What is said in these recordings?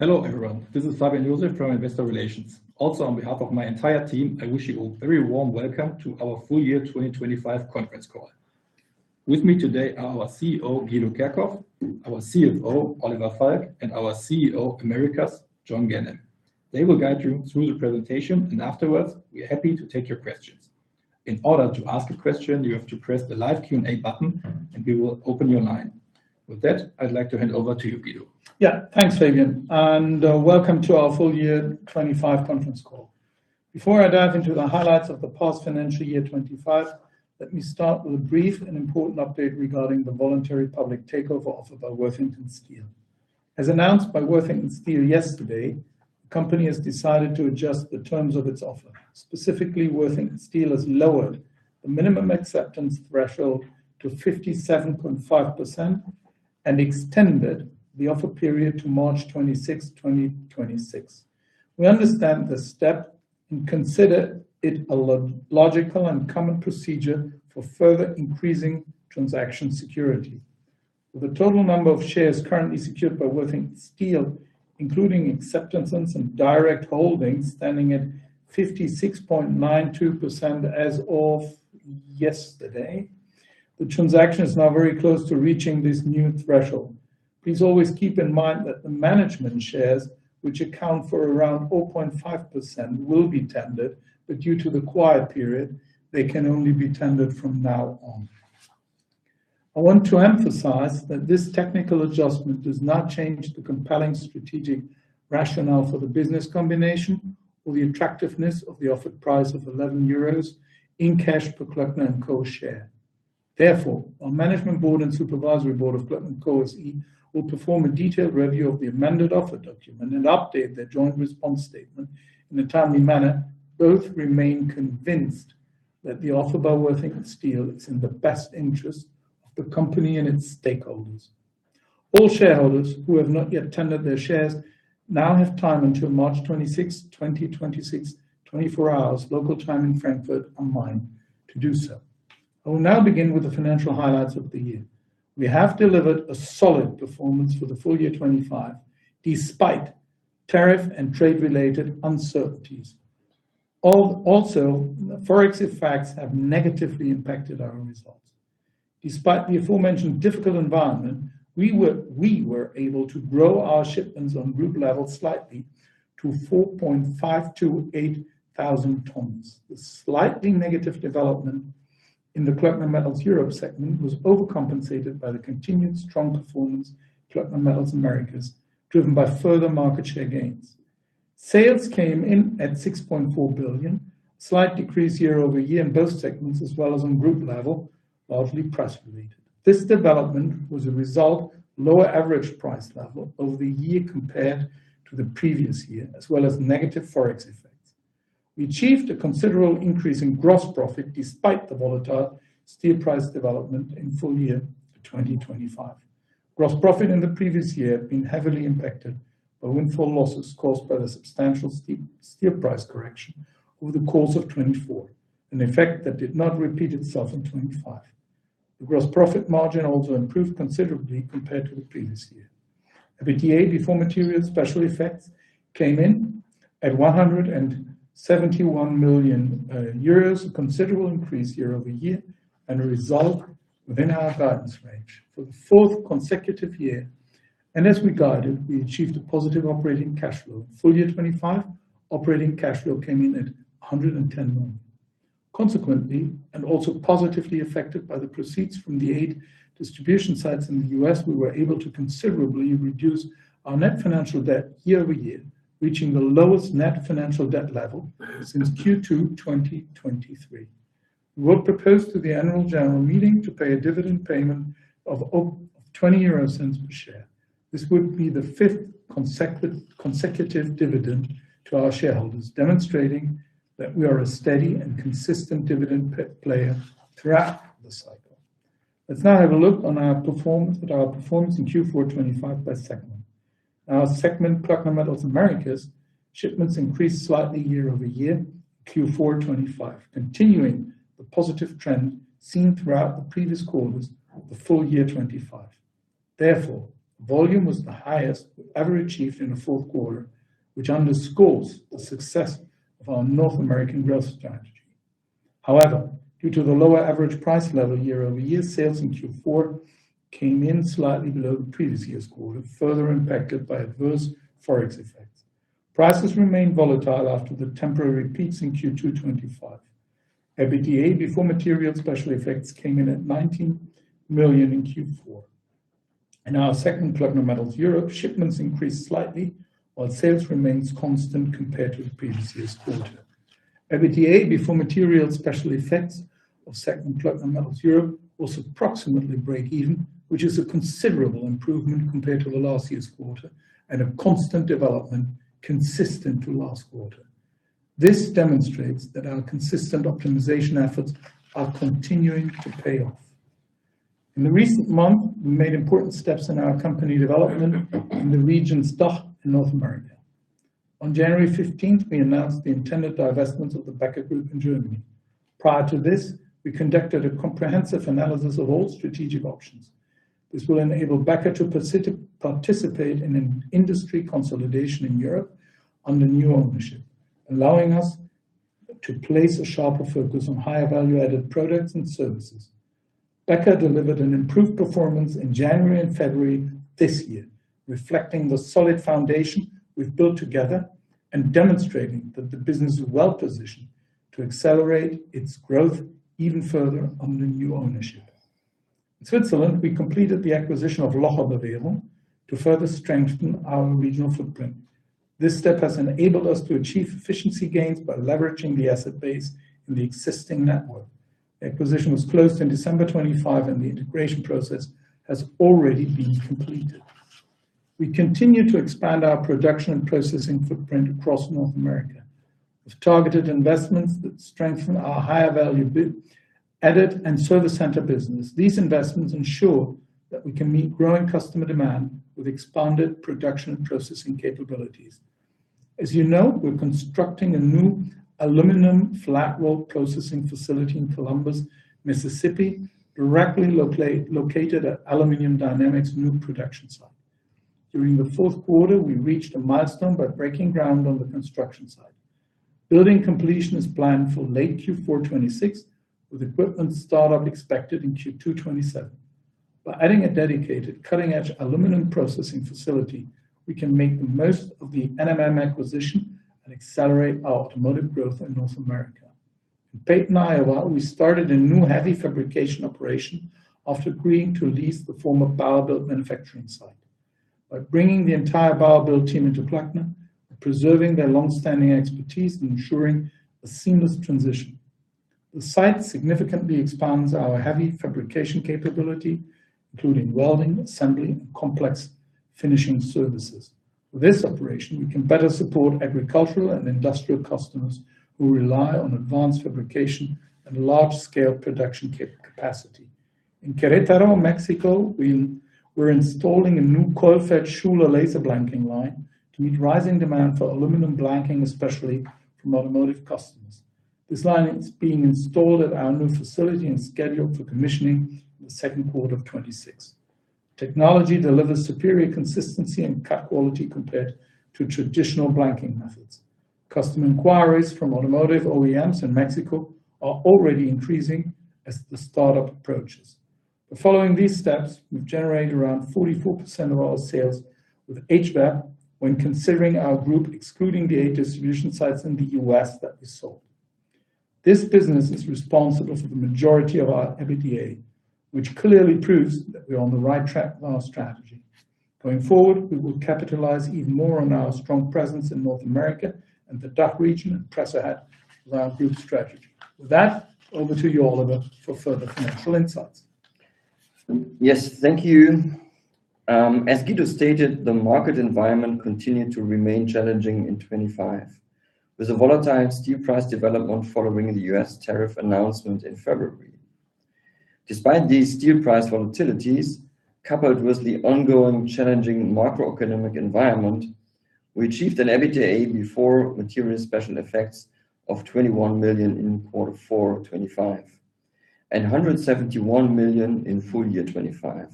Hello, everyone. This is Fabian Joseph from Investor Relations. Also, on behalf of my entire team, I wish you all a very warm welcome to our Full Year 2025 Conference Call. With me today are our CEO, Guido Kerkhoff, our CFO, Dr. Oliver Falk, and our CEO Americas, John Ganem. They will guide you through the presentation, and afterwards, we're happy to take your questions. In order to ask a question, you have to press the live Q&A button, and we will open your line. With that, I'd like to hand over to you, Guido. Yeah. Thanks, Fabian, and welcome to our Full Year 2025 Conference Call. Before I dive into the highlights of the past financial year 2025, let me start with a brief and important update regarding the voluntary public takeover offer by Worthington Steel. As announced by Worthington Steel yesterday, the company has decided to adjust the terms of its offer. Specifically, Worthington Steel has lowered the minimum acceptance threshold to 57.5% and extended the offer period to March 26, 2026. We understand this step and consider it a logical and common procedure for further increasing transaction security. The total number of shares currently secured by Worthington Steel, including acceptance and some direct holdings, standing at 56.92% as of yesterday. The transaction is now very close to reaching this new threshold. Please always keep in mind that the management shares, which account for around 4.5%, will be tendered, but due to the quiet period, they can only be tendered from now on. I want to emphasize that this technical adjustment does not change the compelling strategic rationale for the business combination or the attractiveness of the offered price of 11 euros in cash per Klöckner & Co share. Therefore, our management board and supervisory board of Klöckner & Co SE will perform a detailed review of the amended offer document and update their joint response statement in a timely manner. Both remain convinced that the offer by Worthington Steel is in the best interest of the company and its stakeholders. All shareholders who have not yet tendered their shares now have time until March 26th, 2026, 24 hours, local time in Frankfurt am Main to do so. I will now begin with the financial highlights of the year. We have delivered a solid performance for the full year 2025, despite tariff and trade-related uncertainties. Also, Forex effects have negatively impacted our results. Despite the aforementioned difficult environment, we were able to grow our shipments on group level slightly to 4.528 tons. The slightly negative development in the Kloeckner Metals Europe segment was overcompensated by the continued strong performance of Kloeckner Metals Americas, driven by further market share gains. Sales came in at 6.4 billion, slight decrease year-over-year in both segments as well as on group level, largely price related. This development was a result of lower average price level over the year compared to the previous year, as well as negative Forex effects. We achieved a considerable increase in gross profit despite the volatile steel price development in full year 2025. Gross profit in the previous year been heavily impacted by windfall losses caused by the substantial steel price correction over the course of 2024, an effect that did not repeat itself in 2025. The gross profit margin also improved considerably compared to the previous year. EBITDA before material special effects came in at 171 million euros, a considerable increase year-over-year and a result within our guidance range. For the fourth consecutive year, and as we guided, we achieved a positive operating cash flow. Full year 2025, operating cash flow came in at 110 million. Consequently, and also positively affected by the proceeds from the 8 distribution sites in the U.S., we were able to considerably reduce our net financial debt year-over-year, reaching the lowest net financial debt level since Q2 2023. We will propose to the annual general meeting to pay a dividend payment of 0.20 per share. This would be the fifth consecutive dividend to our shareholders, demonstrating that we are a steady and consistent dividend player throughout the cycle. Let's now have a look at our performance in Q4 2025 by segment. Our segment Kloeckner Metals Americas, shipments increased slightly year-over-year, Q4 2025, continuing the positive trend seen throughout the previous quarters of the full year 2025. Therefore, volume was the highest we've ever achieved in a fourth quarter, which underscores the success of our North American growth strategy. However, due to the lower average price level year-over-year, sales in Q4 came in slightly below the previous year's quarter, further impacted by adverse Forex effects. Prices remained volatile after the temporary peaks in Q2 2025. EBITDA before material special effects came in at 19 million in Q4. In our segment Kloeckner Metals Europe, shipments increased slightly, while sales remains constant compared to the previous year's quarter. EBITDA before material special effects of segment Kloeckner Metals Europe was approximately break even, which is a considerable improvement compared to the last year's quarter and a constant development consistent to last quarter. This demonstrates that our consistent optimization efforts are continuing to pay off. In the recent month, we made important steps in our company development in the region DACH and North America. On January 15th, we announced the intended divestment of the Becker Group in Germany. Prior to this, we conducted a comprehensive analysis of all strategic options. This will enable Becker to participate in an industry consolidation in Europe under new ownership, allowing us to place a sharper focus on higher value-added products and services. Becker delivered an improved performance in January and February this year, reflecting the solid foundation we've built together and demonstrating that the business is well-positioned to accelerate its growth even further under new ownership. In Switzerland, we completed the acquisition of Locher Bewehrungen to further strengthen our regional footprint. This step has enabled us to achieve efficiency gains by leveraging the asset base in the existing network. Acquisition was closed on December 25, and the integration process has already been completed. We continue to expand our production and processing footprint across North America with targeted investments that strengthen our higher value-added and service center business. These investments ensure that we can meet growing customer demand with expanded production and processing capabilities. As you know, we're constructing a new aluminum flat roll processing facility in Columbus, Mississippi, directly located at Aluminum Dynamics new production site. During the fourth quarter, we reached a milestone by breaking ground on the construction site. Building completion is planned for late Q4 2026, with equipment startup expected in Q2 2027. By adding a dedicated cutting-edge aluminum processing facility, we can make the most of the NMM acquisition and accelerate our automotive growth in North America. In Paton, Iowa, we started a new heavy fabrication operation after agreeing to lease the former Bauer Built manufacturing site. By bringing the entire Bauer Built team into Klöckner, preserving their long-standing expertise, and ensuring a seamless transition, the site significantly expands our heavy fabrication capability, including welding, assembly, and complex finishing services. With this operation, we can better support agricultural and industrial customers who rely on advanced fabrication and large-scale production capacity. In Querétaro, Mexico, we're installing a new coil-fed Schuler laser blanking line to meet rising demand for aluminum blanking, especially from automotive customers. This line is being installed at our new facility and scheduled for commissioning in the second quarter of 2026. Technology delivers superior consistency and cut quality compared to traditional blanking methods. Customer inquiries from automotive OEMs in Mexico are already increasing as the startup approaches. By following these steps, we've generated around 44% of our sales with HVAP when considering our group excluding the eight distribution sites in the U.S. that we sold. This business is responsible for the majority of our EBITDA, which clearly proves that we're on the right track with our strategy. Going forward, we will capitalize even more on our strong presence in North America and the DACH region and press ahead with our group strategy. With that, over to you, Oliver, for further financial insights. Yes. Thank you. As Guido stated, the market environment continued to remain challenging in 2025, with a volatile steel price development following the U.S. tariff announcement in February. Despite these steel price volatilities, coupled with the ongoing challenging macroeconomic environment, we achieved an EBITDA before material special effects of 21 million in quarter four 2025 and 171 million in full year 2025.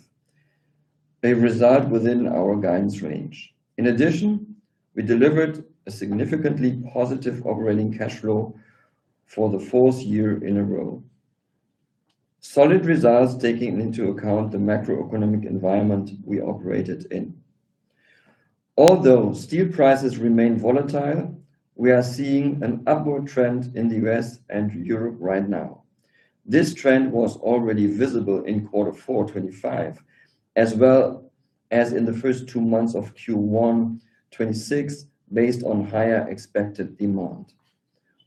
They reside within our guidance range. In addition, we delivered a significantly positive operating cash flow for the fourth year in a row. Solid results taking into account the macroeconomic environment we operated in. Although steel prices remain volatile, we are seeing an upward trend in the U.S. and Europe right now. This trend was already visible in quarter four 2025, as well as in the first two months of Q1 2026, based on higher expected demand.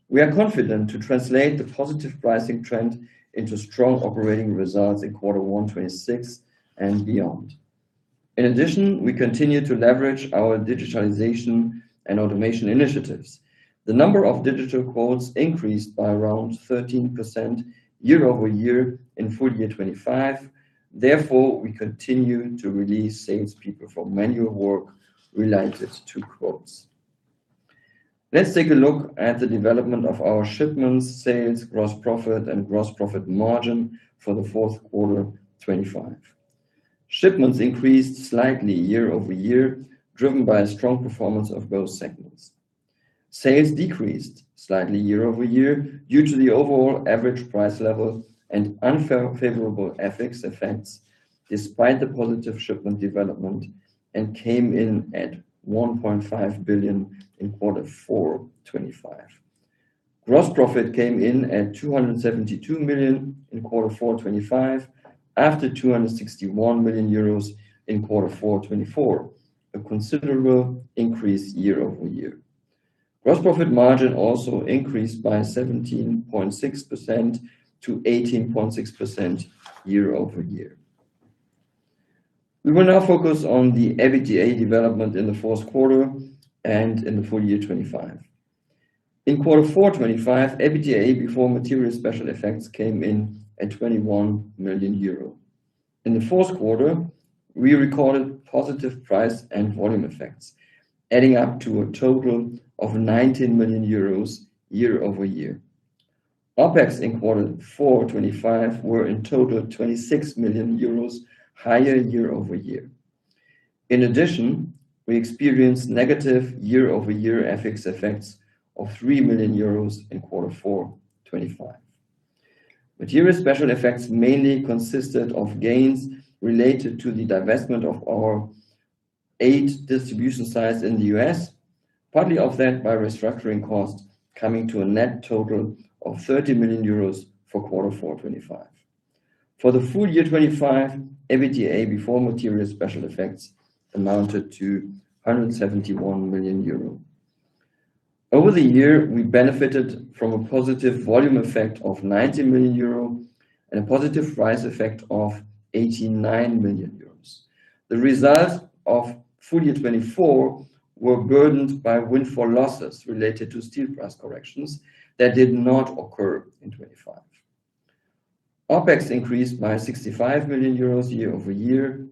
We are confident to translate the positive pricing trend into strong operating results in Q1 2026 and beyond. In addition, we continue to leverage our digitalization and automation initiatives. The number of digital quotes increased by around 13% year-over-year in full year 2025. Therefore, we continue to release salespeople from manual work related to quotes. Let's take a look at the development of our shipments, sales, gross profit, and gross profit margin for Q4 2025. Shipments increased slightly year-over-year, driven by a strong performance of both segments. Sales decreased slightly year-over-year due to the overall average price level and unfavorable FX effects despite the positive shipment development and came in at 1.5 billion in Q4 2025. Gross profit came in at 272 million in Q4 2025 after 261 million euros in Q4 2024, a considerable increase year-over-year. Gross profit margin also increased by 17.6% to 18.6% year-over-year. We will now focus on the EBITDA development in the fourth quarter and in the full year 2025. In Q4 2025, EBITDA before material special effects came in at 21 million euro. In the fourth quarter, we recorded positive price and volume effects, adding up to a total of 19 million euros year-over-year. OpEx in Q4 2025 were in total 26 million euros higher year-over-year. In addition, we experienced negative year-over-year FX effects of 3 million euros in Q4 2025. Material special effects mainly consisted of gains related to the divestment of our eight distribution sites in the U.S., partly offset by restructuring costs coming to a net total of 30 million euros for quarter four 2025. For the full year 2025, EBITDA before material special effects amounted to 171 million euro. Over the year, we benefited from a positive volume effect of 19 million euro and a positive price effect of 89 million euros. The results of full year 2024 were burdened by windfall losses related to steel price corrections that did not occur in 2025. OpEx increased by 65 million euros year-over-year.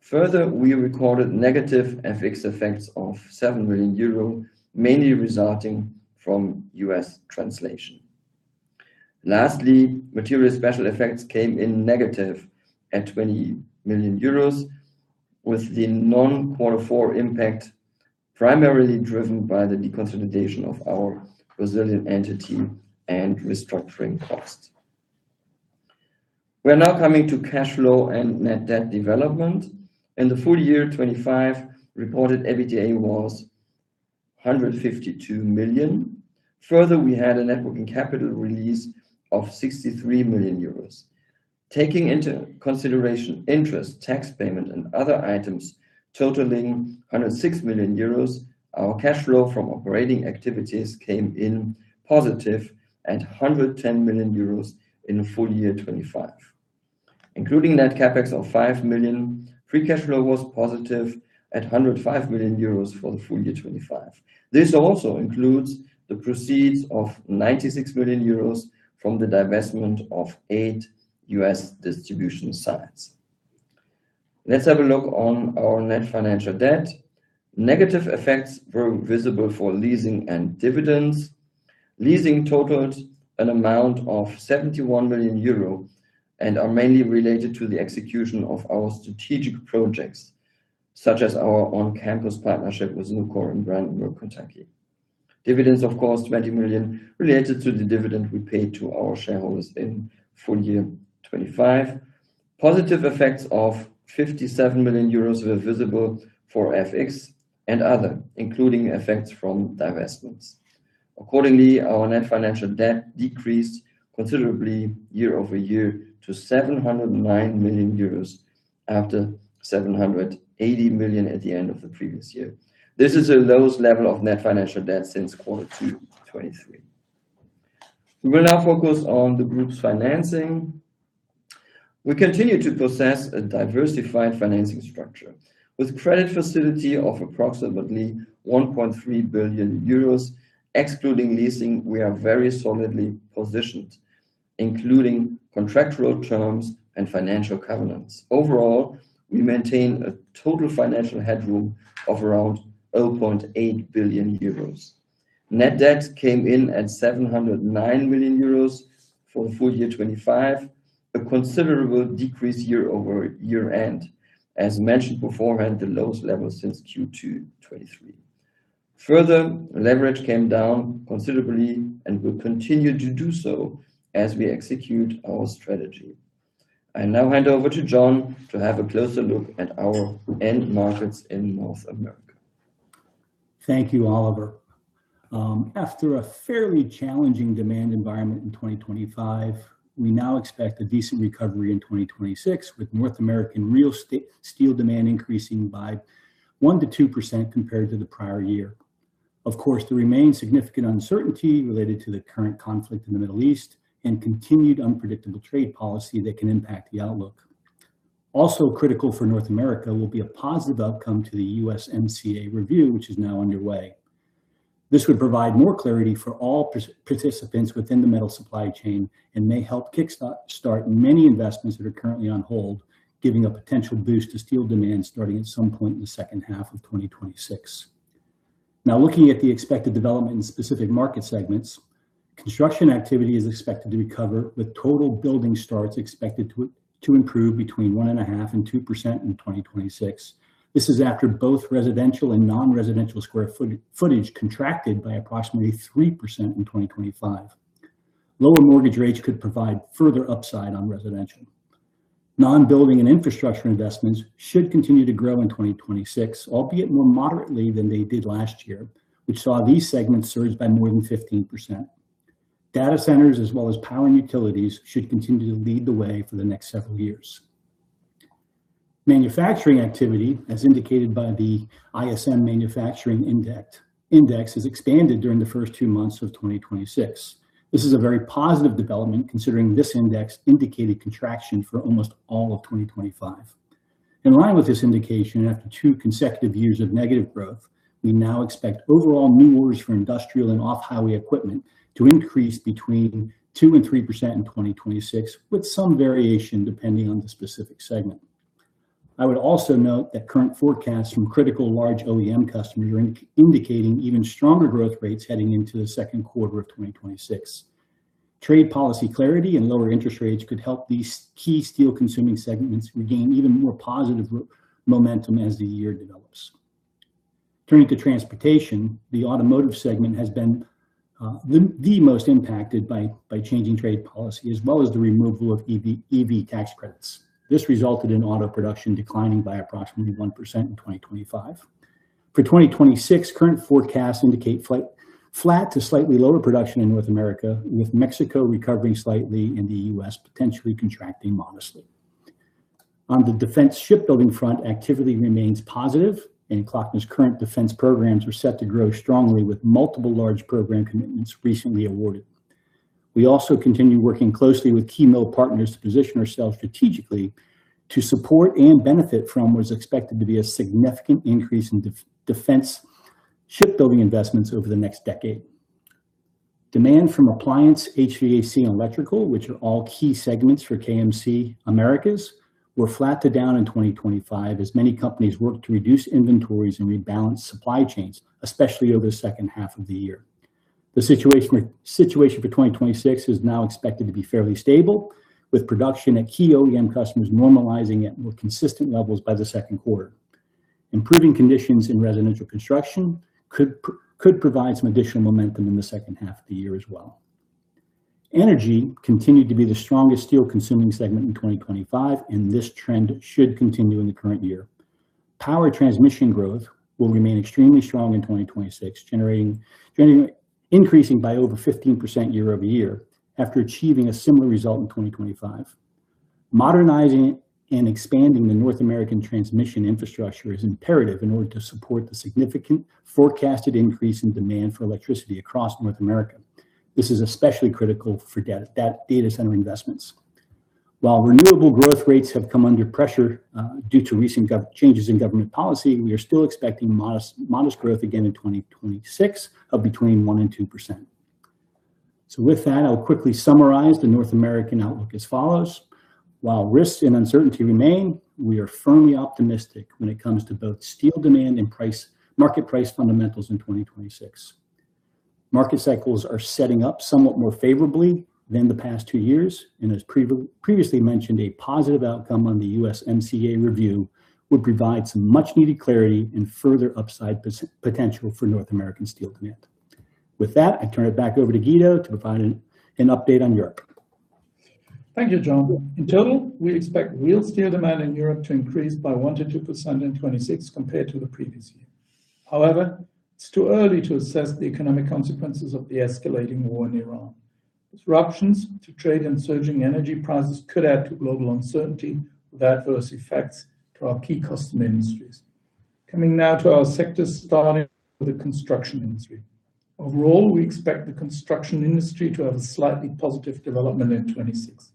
Further, we recorded negative FX effects of 7 million euro, mainly resulting from U.S. translation. Lastly, material special effects came in negative at 20 million euros, with the non-Q4 impact primarily driven by the deconsolidation of our Brazilian entity and restructuring costs. We are now coming to cash flow and net debt development. In the full year 2025, reported EBITDA was 152 million. Further, we had a net working capital release of 63 million euros. Taking into consideration interest, tax payment, and other items totaling 106 million euros, our cash flow from operating activities came in positive at 110 million euros in full year 2025. Including net CapEx of 5 million, free cash flow was positive at 105 million euros for the full year 2025. This also includes the proceeds of 96 million euros from the divestment of eight U.S. distribution sites. Let's have a look at our net financial debt. Negative effects were visible for leasing and dividends. Leasing totaled an amount of 71 million euro and are mainly related to the execution of our strategic projects, such as our on-campus partnership with Nucor in Brandenburg, Kentucky. Dividends, of course, 20 million related to the dividend we paid to our shareholders in full year 2025. Positive effects of 57 million euros were visible for FX and other, including effects from divestments. Accordingly, our net financial debt decreased considerably year over year to 709 million euros, after 780 million at the end of the previous year. This is the lowest level of net financial debt since quarter two 2023. We will now focus on the group's financing. We continue to possess a diversified financing structure. With credit facility of approximately 1.3 billion euros, excluding leasing, we are very solidly positioned, including contractual terms and financial covenants. Overall, we maintain a total financial headroom of around 0.8 billion euros. Net debt came in at 709 million euros for full year 2025, a considerable decrease year-over-year. As mentioned beforehand, the lowest level since Q2 2023. Further, leverage came down considerably and will continue to do so as we execute our strategy. I now hand over to John Ganem to have a closer look at our end markets in North America. Thank you, Oliver. After a fairly challenging demand environment in 2025, we now expect a decent recovery in 2026, with North American steel demand increasing by 1%-2% compared to the prior year. Of course, there remains significant uncertainty related to the current conflict in the Middle East and continued unpredictable trade policy that can impact the outlook. Also critical for North America will be a positive outcome to the USMCA review, which is now underway. This would provide more clarity for all participants within the metal supply chain and may help start many investments that are currently on hold, giving a potential boost to steel demand starting at some point in the second half of 2026. Now looking at the expected development in specific market segments, construction activity is expected to recover, with total building starts expected to improve between 1.5% and 2% in 2026. This is after both residential and non-residential square footage contracted by approximately 3% in 2025. Lower mortgage rates could provide further upside on residential. Non-building and infrastructure investments should continue to grow in 2026, albeit more moderately than they did last year, which saw these segments surge by more than 15%. Data centers as well as power and utilities should continue to lead the way for the next several years. Manufacturing activity, as indicated by the ISM Manufacturing Index, has expanded during the first two months of 2026. This is a very positive development, considering this index indicated contraction for almost all of 2025. In line with this indication, after two consecutive years of negative growth, we now expect overall new orders for industrial and off-highway equipment to increase between 2%-3% in 2026, with some variation depending on the specific segment. I would also note that current forecasts from critical large OEM customers are indicating even stronger growth rates heading into the second quarter of 2026. Trade policy clarity and lower interest rates could help these key steel-consuming segments regain even more positive momentum as the year develops. Turning to transportation, the automotive segment has been the most impacted by changing trade policy as well as the removal of EV tax credits. This resulted in auto production declining by approximately 1% in 2025. For 2026, current forecasts indicate flat to slightly lower production in North America, with Mexico recovering slightly and the U.S. potentially contracting modestly. On the defense shipbuilding front, activity remains positive, and Klöckner's current defense programs are set to grow strongly with multiple large program commitments recently awarded. We also continue working closely with key mill partners to position ourselves strategically to support and benefit from what is expected to be a significant increase in defense shipbuilding investments over the next decade. Demand from appliance, HVAC, and electrical, which are all key segments for KMC Americas, were flat to down in 2025 as many companies worked to reduce inventories and rebalance supply chains, especially over the second half of the year. The situation for 2026 is now expected to be fairly stable, with production at key OEM customers normalizing at more consistent levels by the second quarter. Improving conditions in residential construction could provide some additional momentum in the second half of the year as well. Energy continued to be the strongest steel-consuming segment in 2025, and this trend should continue in the current year. Power transmission growth will remain extremely strong in 2026, increasing by over 15% year-over-year after achieving a similar result in 2025. Modernizing and expanding the North American transmission infrastructure is imperative in order to support the significant forecasted increase in demand for electricity across North America. This is especially critical for data center investments. While renewable growth rates have come under pressure due to recent changes in government policy, we are still expecting modest growth again in 2026 of between 1%-2%. With that, I'll quickly summarize the North American outlook as follows. While risks and uncertainty remain, we are firmly optimistic when it comes to both steel demand and market price fundamentals in 2026. Market cycles are setting up somewhat more favorably than the past two years, and as previously mentioned, a positive outcome on the USMCA review would provide some much-needed clarity and further upside potential for North American steel demand. With that, I turn it back over to Guido to provide an update on Europe. Thank you, John. In total, we expect real steel demand in Europe to increase by 1%-2% in 2026 compared to the previous year. However, it's too early to assess the economic consequences of the escalating war in Iran. Disruptions to trade and surging energy prices could add to global uncertainty with adverse effects to our key customer industries. Coming now to our sectors, starting with the construction industry. Overall, we expect the construction industry to have a slightly positive development in 2026.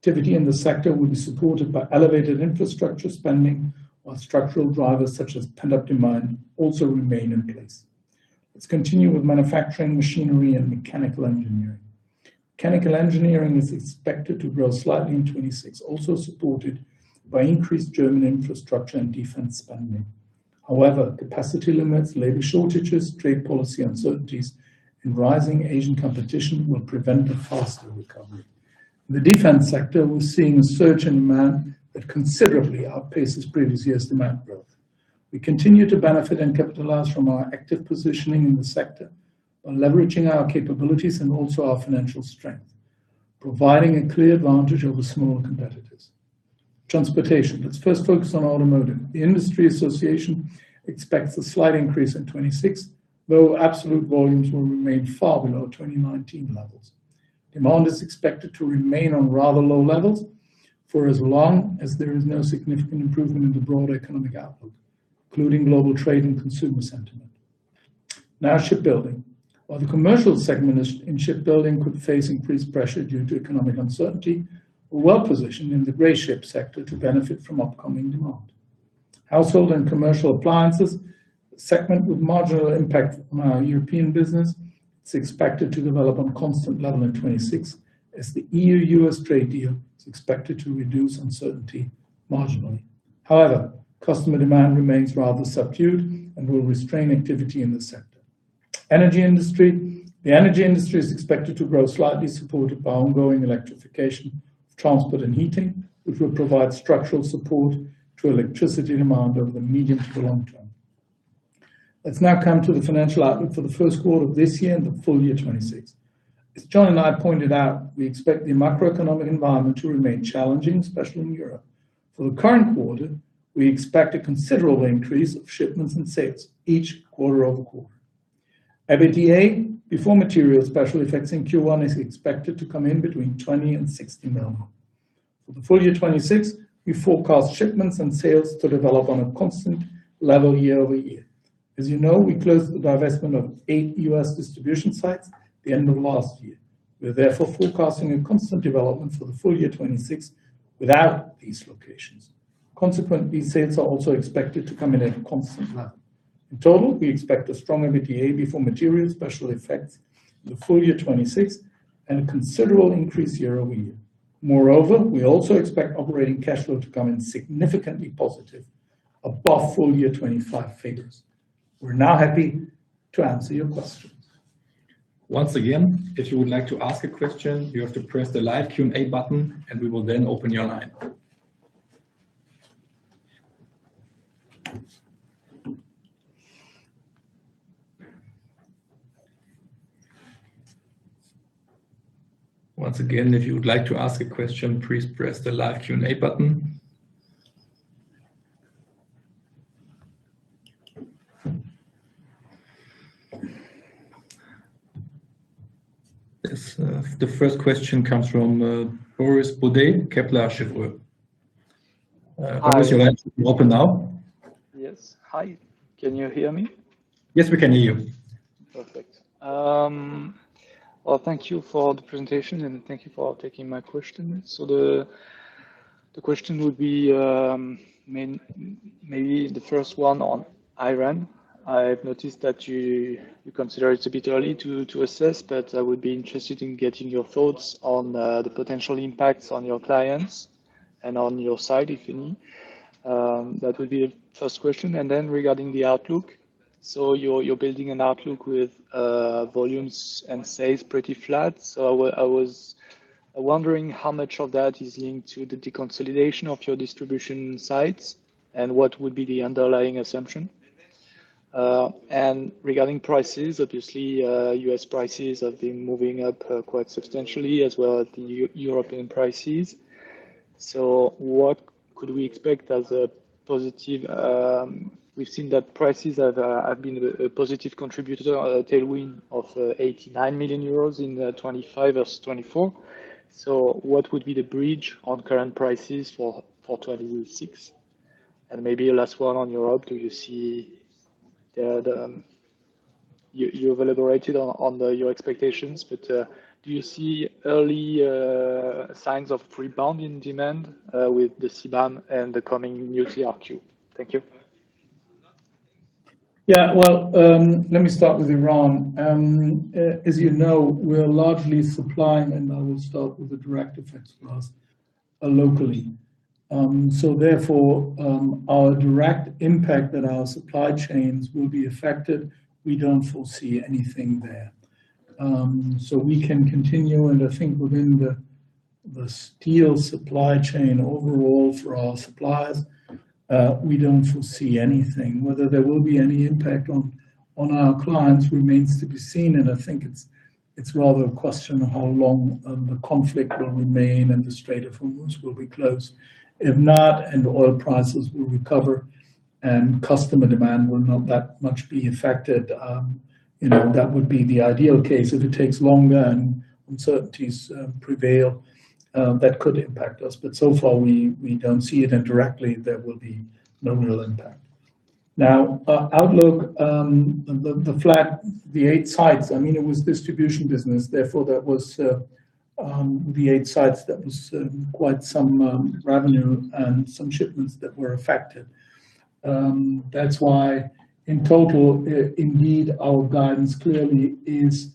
Activity in the sector will be supported by elevated infrastructure spending, while structural drivers such as pent-up demand also remain in place. Let's continue with manufacturing machinery and mechanical engineering. Mechanical engineering is expected to grow slightly in 2026, also supported by increased German infrastructure and defense spending. However, capacity limits, labor shortages, trade policy uncertainties, and rising Asian competition will prevent a faster recovery. In the defense sector, we're seeing a surge in demand that considerably outpaces previous years' demand growth. We continue to benefit and capitalize from our active positioning in the sector on leveraging our capabilities and also our financial strength, providing a clear advantage over smaller competitors. Transportation. Let's first focus on automotive. The industry association expects a slight increase in 2026, though absolute volumes will remain far below 2019 levels. Demand is expected to remain on rather low levels for as long as there is no significant improvement in the broader economic outlook, including global trade and consumer sentiment. Now, shipbuilding. While the commercial segment in shipbuilding could face increased pressure due to economic uncertainty, we're well positioned in the grey ship sector to benefit from upcoming demand. Household and commercial appliances segment with marginal impact on our European business. It's expected to develop on a constant level in 2026, as the E.U.-U.S. trade deal is expected to reduce uncertainty marginally. However, customer demand remains rather subdued and will restrain activity in the sector. Energy industry. The energy industry is expected to grow slightly, supported by ongoing electrification of transport and heating, which will provide structural support to electricity demand over the medium to the long term. Let's now come to the financial outlook for the first quarter of this year and the full year 2026. As John and I pointed out, we expect the macroeconomic environment to remain challenging, especially in Europe. For the current quarter, we expect a considerable increase of shipments and sales, each quarter-over-quarter. EBITDA before material special effects in Q1 is expected to come in between 20 million-60 million. For the full year 2026, we forecast shipments and sales to develop on a constant level year over year. As you know, we closed the divestment of eight U.S. distribution sites the end of last year. We're therefore forecasting a constant development for the full year 2026 without these locations. Consequently, sales are also expected to come in at a constant level. In total, we expect a strong EBITDA before material special effects in the full year 2026 and a considerable increase year-over-year. Moreover, we also expect operating cash flow to come in significantly positive above full year 2025 figures. We're now happy to answer your questions. Once again, if you would like to ask a question, you have to press the live Q&A button, and we will then open your line. Once again, if you would like to ask a question, please press the live Q&A button. Yes, the first question comes from Boris Bourdet, Kepler Cheuvreux. Hi. Boris, your line is open now. Yes. Hi, can you hear me? Yes, we can hear you. Perfect. Well, thank you for the presentation, and thank you for taking my question. The question would be, maybe the first one on Iran. I've noticed that you consider it a bit early to assess, but I would be interested in getting your thoughts on the potential impacts on your clients and on your side, if any. That would be the first question. Then regarding the outlook, you're building an outlook with volumes and sales pretty flat. I was wondering how much of that is linked to the deconsolidation of your distribution sites, and what would be the underlying assumption? Regarding prices, obviously, U.S. prices have been moving up quite substantially as well as the European prices. What could we expect as a positive. We've seen that prices have been a positive contributor, a tailwind of 89 million euros in 2025 vs 2024. What would be the bridge on current prices for 2026? Maybe last one on Europe. You elaborated on your expectations, but do you see early signs of rebound in demand with the CBAM and the coming new TRQ? Thank you. Yeah. Well, let me start with Iran. As you know, we're largely supplying, and I will start with the direct effects for us, locally. Therefore, our direct impact that our supply chains will be affected, we don't foresee anything there. We can continue, and I think within the steel supply chain overall for our suppliers, we don't foresee anything. Whether there will be any impact on our clients remains to be seen, and I think it's rather a question of how long the conflict will remain and the Strait of Hormuz will be closed. If not, and oil prices will recover, and customer demand will not that much be affected, you know, that would be the ideal case. If it takes longer and uncertainties prevail, that could impact us. So far, we don't see it, and directly there will be nominal impact. Outlook, the flat, the eight sites, I mean, it was distribution business, therefore that was the eight sites, that was quite some revenue and some shipments that were affected. That's why in total, indeed, our guidance clearly is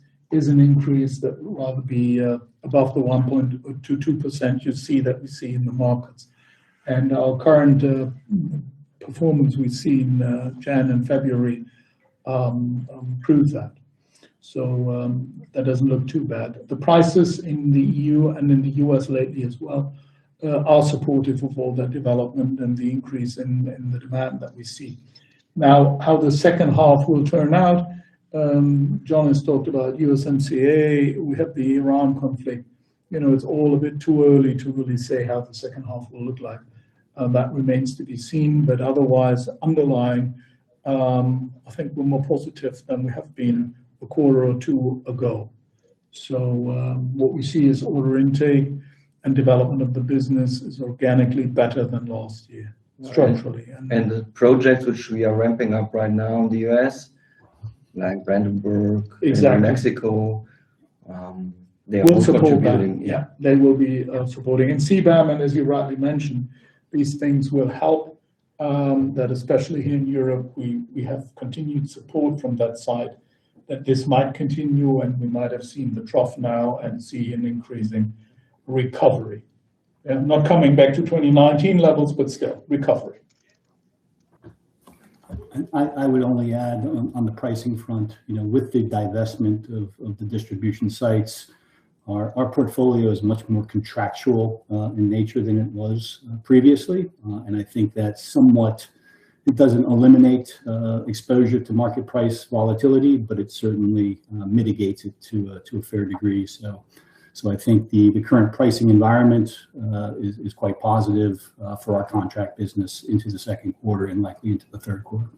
an increase that will rather be above the 1%-2% you see that we see in the markets. Our current performance we see in January and February proves that. That doesn't look too bad. The prices in the E.U. and in the U.S. lately as well are supportive of all that development and the increase in the demand that we see. Now, how the second half will turn out, John has talked about USMCA. We have the Iran conflict. You know, it's all a bit too early to really say how the second half will look like. That remains to be seen. Otherwise, underlying, I think we're more positive than we have been a quarter or two ago. What we see is order intake and development of the business is organically better than last year, structurally. The projects which we are ramping up right now in the U.S., like Brandenburg. Exactly. Mexico, they are all contributing. Will support that. Yeah. They will be supporting. CBAM, and as you rightly mentioned, these things will help that especially here in Europe, we have continued support from that side, that this might continue, and we might have seen the trough now and see an increasing recovery. Not coming back to 2019 levels, but still recovery. I would only add on the pricing front, you know, with the divestment of the distribution sites, our portfolio is much more contractual in nature than it was previously. I think that somewhat it doesn't eliminate exposure to market price volatility, but it certainly mitigates it to a fair degree. I think the current pricing environment is quite positive for our contract business into the second quarter and likely into the third quarter.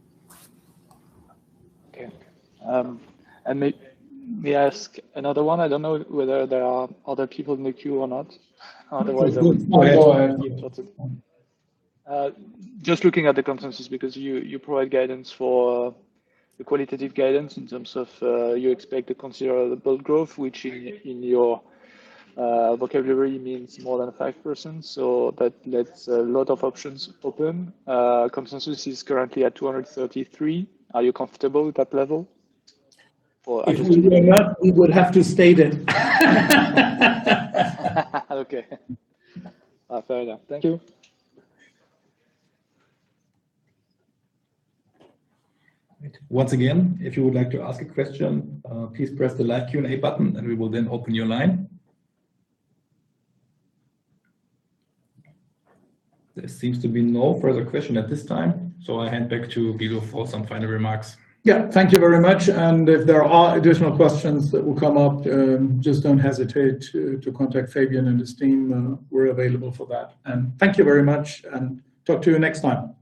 Okay. May I ask another one? I don't know whether there are other people in the queue or not. Otherwise I will. Good. Go ahead. Just looking at the consensus, because you provide guidance for the quantitative guidance in terms of you expect to consider the bulk growth, which in your vocabulary means more than 5%, so that's a lot of options open. Consensus is currently at 233. Are you comfortable with that level? I think that would have to stay there. If we were not, we would have to stay then. Okay. Fair enough. Thank you. Once again, if you would like to ask a question, please press the live Q&A button, and we will then open your line. There seems to be no further question at this time, so I hand back to Guido for some final remarks. Yeah. Thank you very much. If there are additional questions that will come up, just don't hesitate to contact Fabian and his team. We're available for that. Thank you very much, and talk to you next time. Thank you.